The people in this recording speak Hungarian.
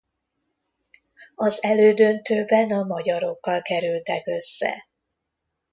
Az elődöntőben a magyarokkal kerültek össze.